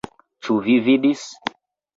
Ĉu vi vidis?